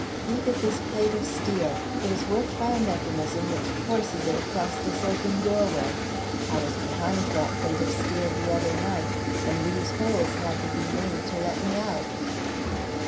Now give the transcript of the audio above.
Look at this plate of steel. It is worked by a mechanism which forces it across this open doorway. I was behind that plate of steel the other night, and these holes had to be made to let me out."